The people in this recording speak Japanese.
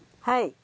はい。